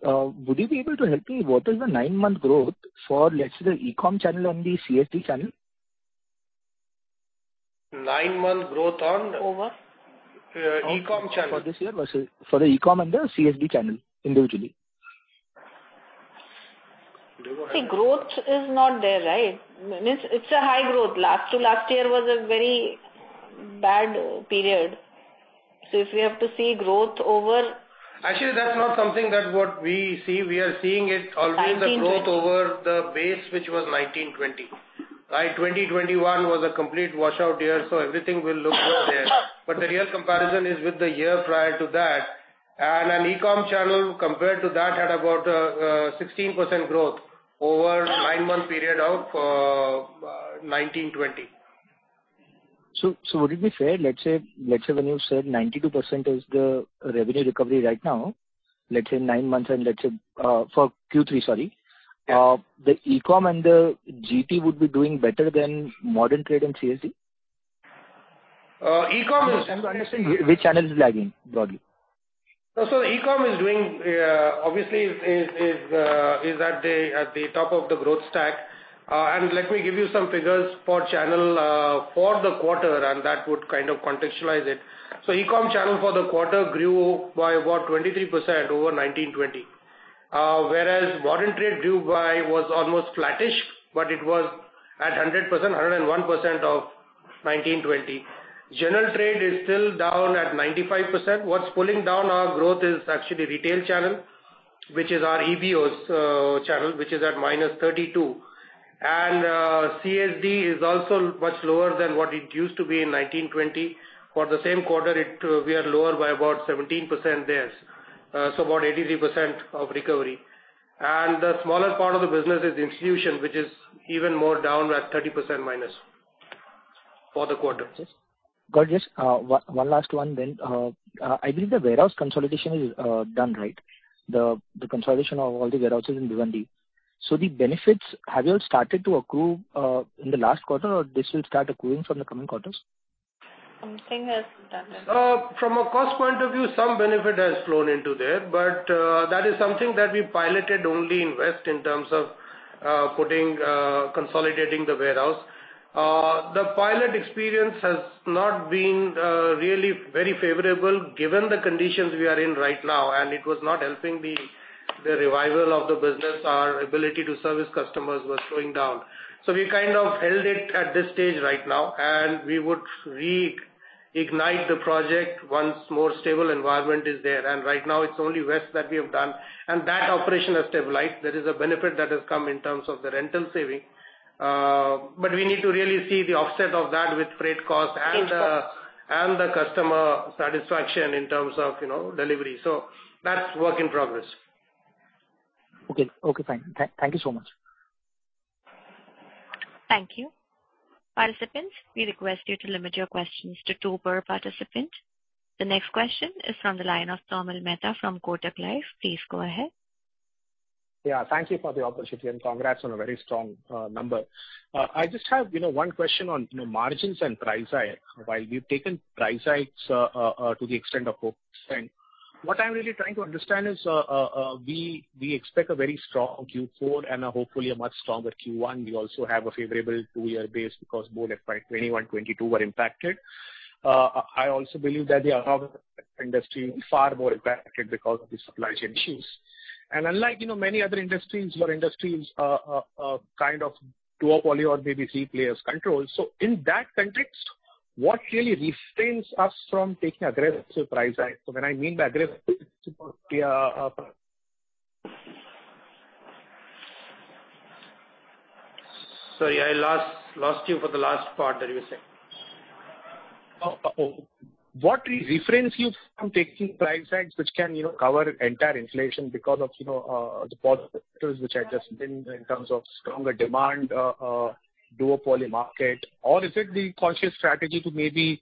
would you be able to help me, what is the nine-month growth for, let's say, the e-com channel and the CSD channel? Nine-month growth on? Over. E-com channel. For this year versus... For the e-com and the CSD channel, individually. We don't have- The growth is not there, right? Means it's a high growth. Last to last year was a very bad period. So if we have to see growth over- Actually, that's not something that we see. We are seeing it always- Nineteen, twenty. the growth over the base, which was 2019-2020, right? 2020-2021 was a complete washout year, so everything will look good there. But the real comparison is with the year prior to that. And an e-com channel, compared to that, had about 16% growth over nine-month period of 2019-2020. So, would it be fair, let's say, let's say when you said 92% is the revenue recovery right now, let's say nine months and let's say, for Q3, sorry. Yeah. The e-com and the GT would be doing better than modern trade and CSD? E-com is- I'm trying to understand which channel is lagging, broadly. So e-com is obviously at the top of the growth stack. Let me give you some figures for channel for the quarter, and that would kind of contextualize it. So e-com channel for the quarter grew by about 23% over 2019-2020. Whereas modern trade was almost flattish, but it was at 100%, 101% of 2019-2020. General trade is still down at 95%. What's pulling down our growth is actually retail channel, which is our EBOs channel, which is at -32%. And CSD is also much lower than what it used to be in 2019-2020. For the same quarter, we are lower by about 17% there, so about 83% of recovery. The smallest part of the business is institution, which is even more down at -30% for the quarter. Got it. One last one then. I believe the warehouse consolidation is done, right? The consolidation of all the warehouses in Bhiwandi. So the benefits, have you all started to accrue in the last quarter, or this will start accruing from the coming quarters? Something has done. From a cost point of view, some benefit has flown into there, but that is something that we piloted only in West in terms of putting, consolidating the warehouse. The pilot experience has not been really very favorable given the conditions we are in right now, and it was not helping the revival of the business. Our ability to service customers was slowing down. So we kind of held it at this stage right now, and we would re-ignite the project once more stable environment is there. And right now it's only West that we have done, and that operation has stabilized. There is a benefit that has come in terms of the rental saving. But we need to really see the offset of that with freight costs- Interesting. and the customer satisfaction in terms of, you know, delivery. So that's work in progress. Okay. Okay, fine. Thank you so much. Thank you. Participants, we request you to limit your questions to two per participant. The next question is from the line of Tejas Mehta from Kotak Life. Please go ahead. Yeah, thank you for the opportunity and congrats on a very strong number. I just have, you know, one question on, you know, margins and price hike. While you've taken price hikes to the extent of extent. What I'm really trying to understand is, we expect a very strong Q4 and hopefully a much stronger Q1. We also have a favorable two-year base because both FY 2021, 2022 were impacted. I also believe that the industry will be far more impacted because of the supply chain issues. And unlike, you know, many other industries, your industry is kind of duopoly or maybe three players control. So in that context, what really refrains us from taking aggressive price hike? So when I mean by aggressive... Sorry, I lost you for the last part that you were saying. What refrains you from taking price hikes, which can, you know, cover entire inflation because of, you know, the positives, which I just in terms of stronger demand, duopoly market? Or is it the conscious strategy to maybe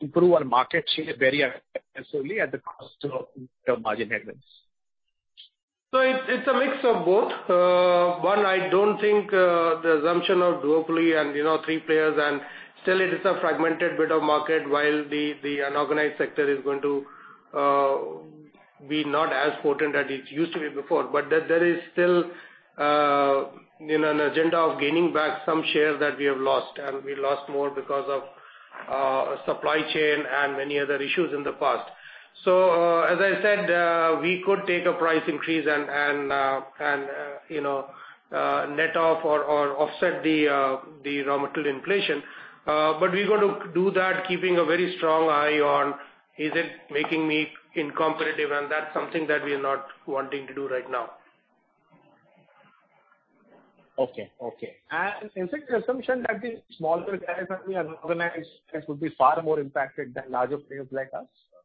improve our market share very necessarily at the cost of the margin headlines? So it's a mix of both. I don't think the assumption of duopoly and, you know, three players, and still it is a fragmented bit of market, while the unorganized sector is going to be not as potent as it used to be before. But there is still, you know, an agenda of gaining back some shares that we have lost, and we lost more because of supply chain and many other issues in the past. So, as I said, we could take a price increase and, you know, net off or offset the raw material inflation. But we're going to do that keeping a very strong eye on, is it making me incompetent? And that's something that we are not wanting to do right now. Okay. Okay. And is it your assumption that the smaller guys and the unorganized guys would be far more impacted than larger players like us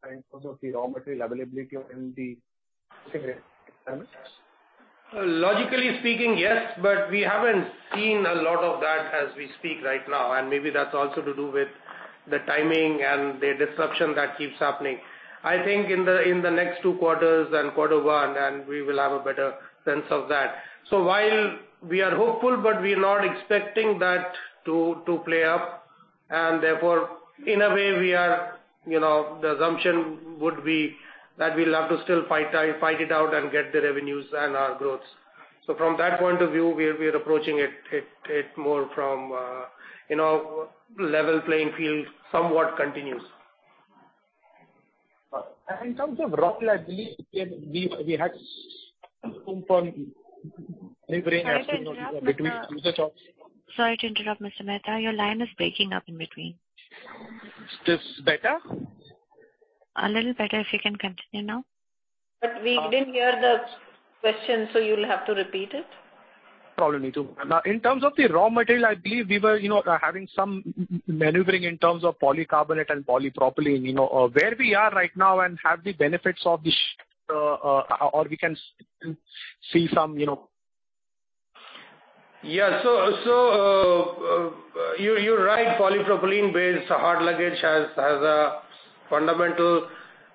in terms of the raw material availability or in the? Logically speaking, yes, but we haven't seen a lot of that as we speak right now, and maybe that's also to do with the timing and the disruption that keeps happening. I think in the next two quarters and quarter one, we will have a better sense of that. So while we are hopeful, but we are not expecting that to play up, and therefore, in a way, we are, you know, the assumption would be that we'll have to still fight it out and get the revenues and our growth. So from that point of view, we are approaching it more from a, you know, level playing field, somewhat continuous. In terms of raw material, I believe we had some maneuvering between the types. Sorry to interrupt, Mr. Mehta. Your line is breaking up in between. Is this better? A little better, if you can continue now. We didn't hear the question, so you'll have to repeat it. No problem, Neetu. In terms of the raw material, I believe we were, you know, having some maneuvering in terms of polycarbonate and polypropylene, you know. Where we are right now and have the benefits of this, or we can see some, you know... Yeah, so, you're right. Polypropylene-based hard luggage has a fundamental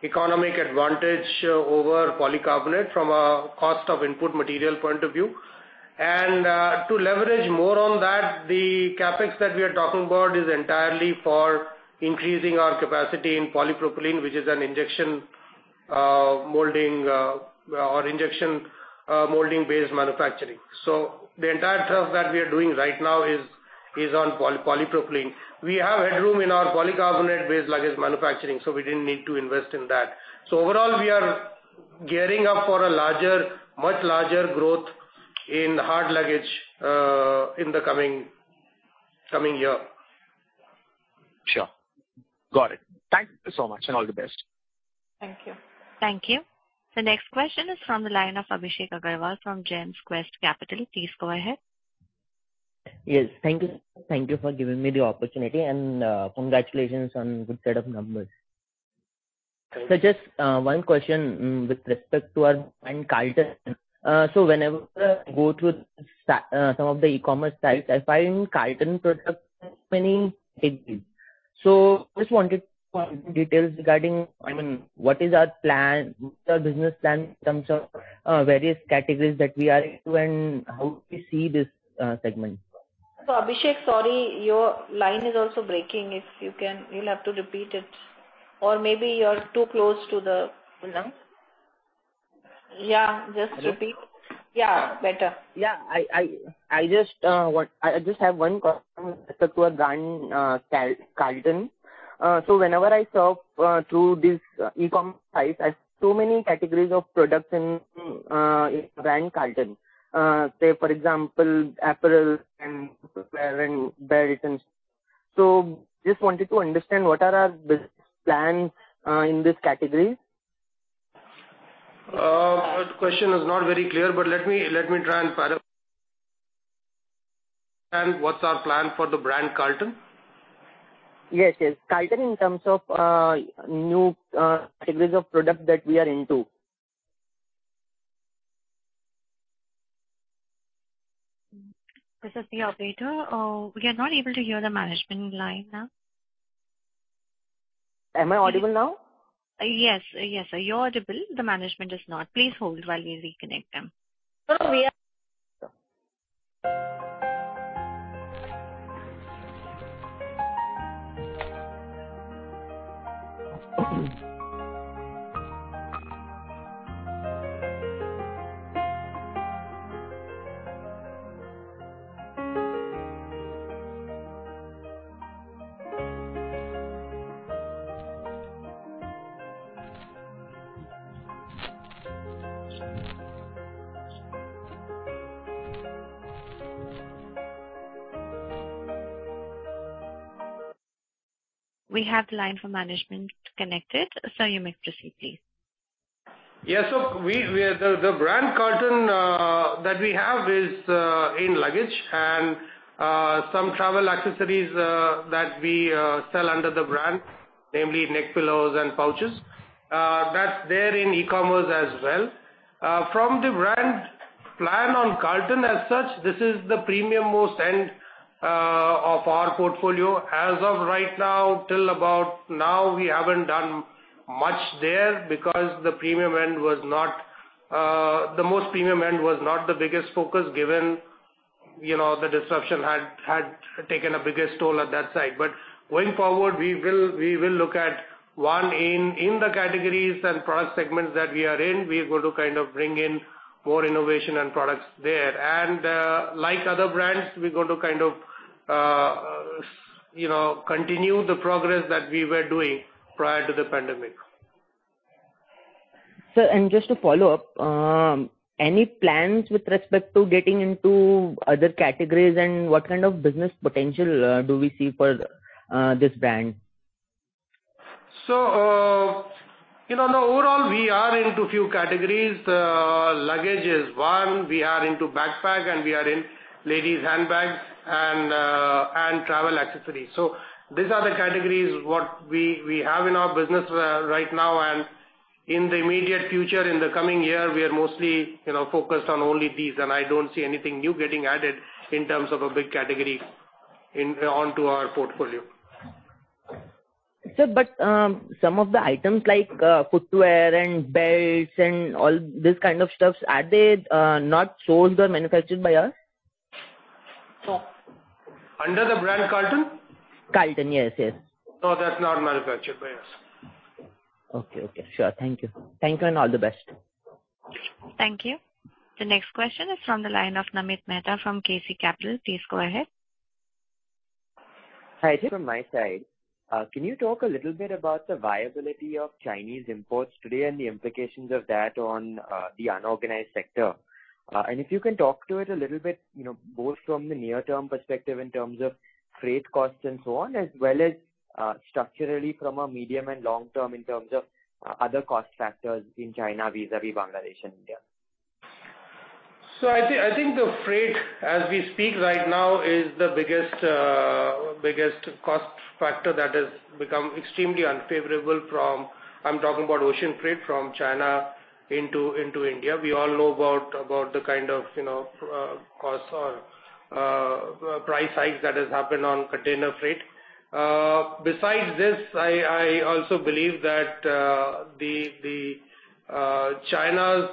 economic advantage over polycarbonate from a cost of input material point of view. And, to leverage more on that, the CapEx that we are talking about is entirely for increasing our capacity in polypropylene, which is an injection molding or injection molding-based manufacturing. So the entire stuff that we are doing right now is on polypropylene. We have headroom in our polycarbonate-based luggage manufacturing, so we didn't need to invest in that. So overall, we are gearing up for a larger, much larger growth in hard luggage, in the coming year. Sure. Got it. Thank you so much, and all the best. Thank you. Thank you. The next question is from the line of Abhishek Agarwal from Gemsquest Capital. Please go ahead. Yes. Thank you. Thank you for giving me the opportunity and, congratulations on good set of numbers. So just, one question, with respect to our brand, Carlton. So whenever I go through some of the e-commerce sites, I find Carlton products, many. So just wanted more details regarding, I mean, what is our plan, the business plan in terms of, various categories that we are into and how do we see this, segment? ... So Abhishek, sorry, your line is also breaking. If you can, you'll have to repeat it, or maybe you're too close to the phone. Yeah, just repeat. Hello? Yeah, better. Yeah. I just have one question towards brand Carlton. So whenever I shop through this e-com site, I have so many categories of products in brand Carlton. Say, for example, apparel and bags and... So just wanted to understand, what are our business plans in this category? The question is not very clear, but let me try and paraphrase. And what's our plan for the brand Carlton? Yes, yes. Carlton, in terms of new categories of product that we are into. This is the operator. We are not able to hear the management line now. Am I audible now? Yes. Yes, sir, you're audible, the management is not. Please hold while we reconnect them. So we are- We have the line for management connected. Sir, you may proceed, please. Yeah. So we... The brand Carlton that we have is in luggage and some travel accessories that we sell under the brand, namely neck pillows and pouches. That's there in e-commerce as well. From the brand plan on Carlton as such, this is the premium most end of our portfolio. As of right now, till about now, we haven't done much there because the premium end was not... The most premium end was not the biggest focus, given, you know, the disruption had taken a bigger toll at that side. But going forward, we will look at one in the categories and product segments that we are in. We're going to kind of bring in more innovation and products there. Like other brands, we're going to kind of, you know, continue the progress that we were doing prior to the pandemic. Sir, and just to follow up, any plans with respect to getting into other categories, and what kind of business potential do we see for this brand? So, you know, no, overall, we are into a few categories. Luggage is one, we are into backpack, and we are in ladies' handbags and, and travel accessories. So these are the categories, what we, we have in our business, right now. And in the immediate future, in the coming year, we are mostly, you know, focused on only these, and I don't see anything new getting added in terms of a big category in, onto our portfolio. Sir, some of the items like footwear and belts and all this kind of stuffs, are they not sold or manufactured by us? Under the brand Carlton? Carlton, yes, yes. No, that's not manufactured by us. Okay, okay. Sure. Thank you. Thank you, and all the best. Thank you. The next question is from the line of Namit Mehta from KC Capital. Please go ahead. Hi, from my side, can you talk a little bit about the viability of Chinese imports today and the implications of that on the unorganized sector? And if you can talk to it a little bit, you know, both from the near-term perspective in terms of freight costs and so on, as well as structurally from a medium and long term in terms of other cost factors in China vis-a-vis Bangladesh and India. So I think, I think the freight, as we speak right now, is the biggest, biggest cost factor that has become extremely unfavorable from... I'm talking about ocean freight from China into India. We all know about the kind of, you know, costs or price hikes that has happened on container freight. Besides this, I also believe that the China's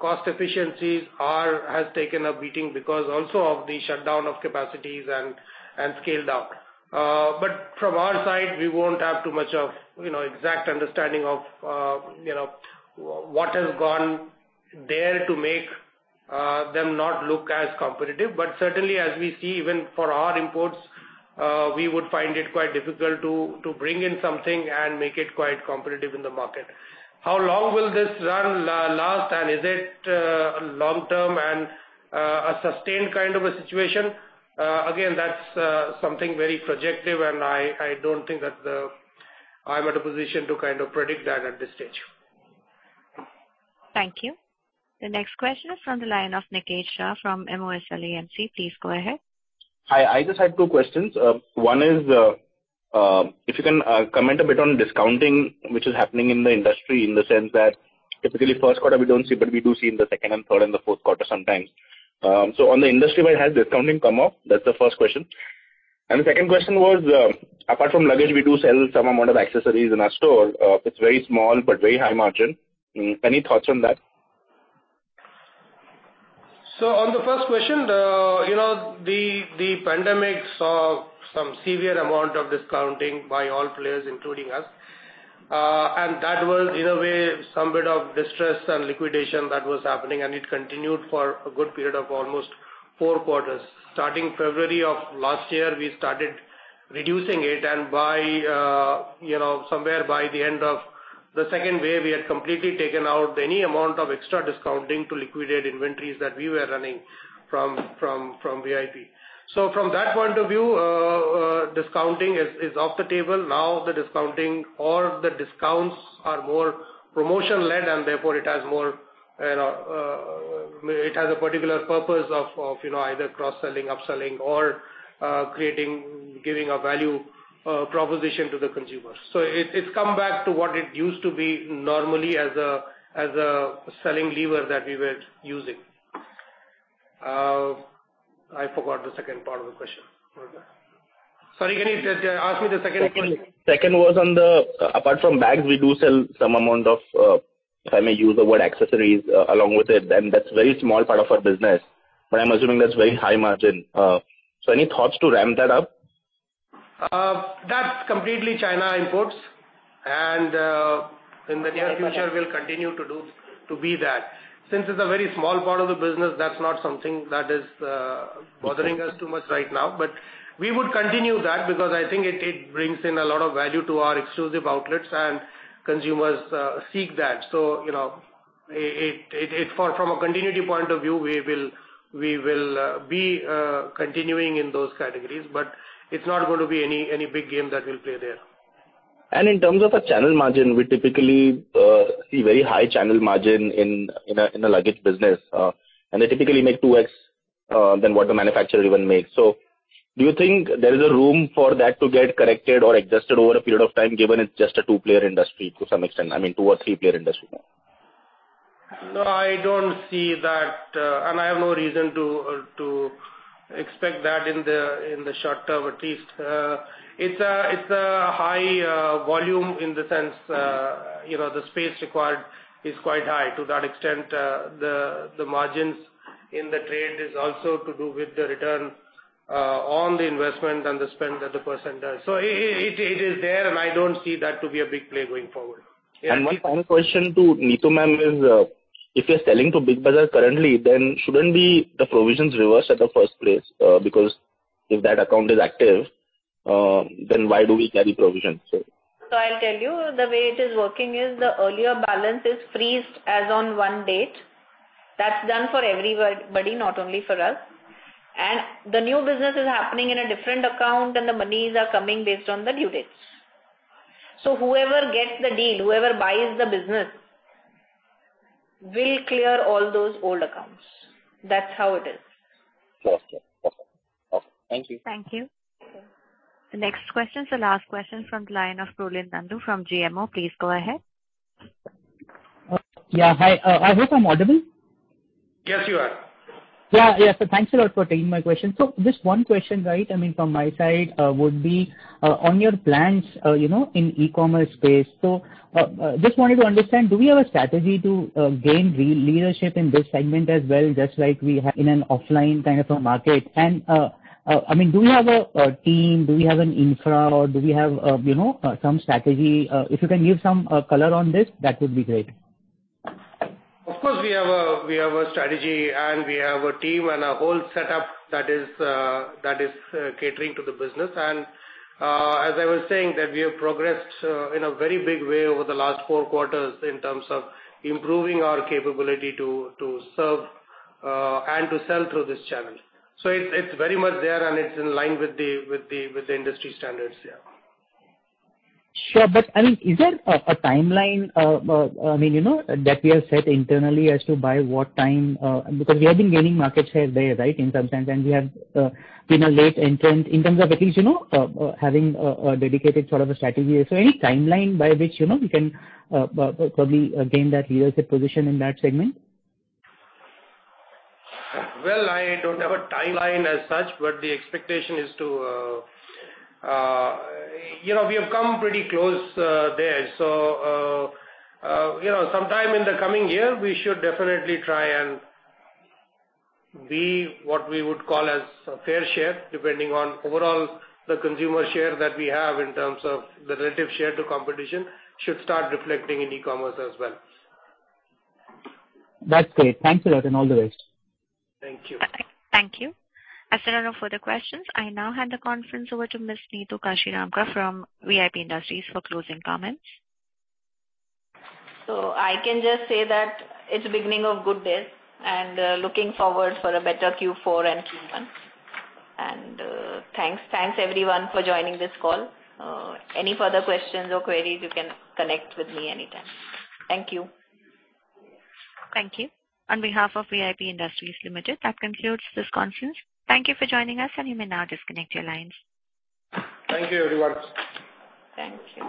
cost efficiencies are has taken a beating because also of the shutdown of capacities and scaled down. But from our side, we won't have too much of, you know, exact understanding of, you know, what has gone there to make them not look as competitive. But certainly, as we see, even for our imports, we would find it quite difficult to bring in something and make it quite competitive in the market. How long will this run, last, and is it, long term and, a sustained kind of a situation? Again, that's something very projective, and I, I don't think that I'm at a position to kind of predict that at this stage. Thank you. The next question is from the line of Niket Shah from MOSL AMC. Please go ahead. Hi, I just had two questions. One is, if you can comment a bit on discounting, which is happening in the industry, in the sense that typically first quarter we don't see, but we do see in the second and third and the fourth quarter sometimes. So on the industry-wide, has discounting come up? That's the first question. And the second question was, apart from luggage, we do sell some amount of accessories in our store. It's very small, but very high margin. Any thoughts on that? ...So on the first question, you know, the pandemic saw some severe amount of discounting by all players, including us. And that was, in a way, some bit of distress and liquidation that was happening, and it continued for a good period of almost four quarters. Starting February of last year, we started reducing it, and by, you know, somewhere by the end of the second wave, we had completely taken out any amount of extra discounting to liquidate inventories that we were running from VIP. So from that point of view, discounting is off the table. Now, the discounting or the discounts are more promotion-led, and therefore it has more, you know, it has a particular purpose of, you know, either cross-selling, upselling, or creating, giving a value proposition to the consumer. So it's come back to what it used to be normally as a selling lever that we were using. I forgot the second part of the question. Sorry, can you say ask me the second question? Second was on the, apart from bags, we do sell some amount of, if I may use the word, accessories, along with it, and that's a very small part of our business, but I'm assuming that's very high margin. So any thoughts to ramp that up? That's completely China imports, and in the near future we'll continue to do, to be that. Since it's a very small part of the business, that's not something that is bothering us too much right now. But we would continue that because I think it, it brings in a lot of value to our exclusive outlets, and consumers seek that. So, you know, it, it, it from a continuity point of view, we will, we will be continuing in those categories, but it's not going to be any, any big game that we'll play there. In terms of a channel margin, we typically see very high channel margin in a luggage business. And they typically make 2x than what the manufacturer even makes. So do you think there is room for that to get corrected or adjusted over a period of time, given it's just a two-player industry to some extent? I mean, two or three-player industry now. No, I don't see that, and I have no reason to expect that in the short term, at least. It's a high volume in the sense, you know, the space required is quite high. To that extent, the margins in the trade is also to do with the return on the investment and the spend that the person does. So it is there, and I don't see that to be a big play going forward. One final question to Neetu ma'am is, if you're selling to Big Bazaar currently, then shouldn't be the provisions reversed at the first place? Because if that account is active, then why do we carry provisions, so? So I'll tell you, the way it is working is the earlier balance is frozen as on one date. That's done for everybody, not only for us. And the new business is happening in a different account, and the monies are coming based on the due dates. So whoever gets the deal, whoever buys the business, will clear all those old accounts. That's how it is. Okay. Awesome. Thank you. Thank you. The next question is the last question from the line of Prolin Nandu from GMO. Please go ahead. Yeah. Hi, I hope I'm audible? Yes, you are. Yeah, yeah. So thanks a lot for taking my question. So just one question, right, I mean, from my side, would be on your plans, you know, in e-commerce space. So just wanted to understand, do we have a strategy to regain leadership in this segment as well, just like we have in an offline kind of a market? And, I mean, do we have a team? Do we have an infra, or do we have, you know, some strategy? If you can give some color on this, that would be great. Of course, we have a strategy, and we have a team and a whole setup that is catering to the business. And, as I was saying, that we have progressed in a very big way over the last four quarters in terms of improving our capability to serve and to sell through this channel. So it's very much there, and it's in line with the industry standards, yeah. Sure. But, I mean, is there a timeline, I mean, you know, that we have set internally as to by what time? Because we have been gaining market share there, right, in terms of times, and we have been a late entrant in terms of at least, you know, having a dedicated sort of a strategy. So any timeline by which, you know, we can probably gain that leadership position in that segment? Well, I don't have a timeline as such, but the expectation is to, you know, we have come pretty close, there. So, you know, sometime in the coming year, we should definitely try and be what we would call as a fair share, depending on overall the consumer share that we have in terms of the relative share to competition, should start reflecting in e-commerce as well. That's great. Thanks a lot, and all the best. Thank you. Thank you. As there are no further questions, I now hand the conference over to Ms. Neetu Kashiramka from VIP Industries for closing comments. I can just say that it's a beginning of good days, and looking forward for a better Q4 and Q1. Thanks, thanks, everyone, for joining this call. Any further questions or queries, you can connect with me anytime. Thank you. Thank you. On behalf of VIP Industries Limited, that concludes this conference. Thank you for joining us, and you may now disconnect your lines. Thank you, everyone. Thank you.